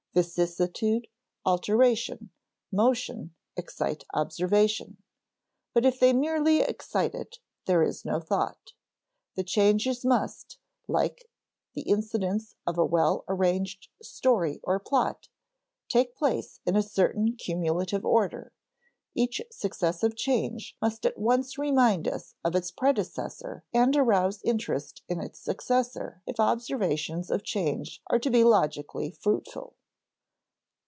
Vicissitude, alteration, motion, excite observation; but if they merely excite it, there is no thought. The changes must (like the incidents of a well arranged story or plot) take place in a certain cumulative order; each successive change must at once remind us of its predecessor and arouse interest in its successor if observations of change are to be logically fruitful.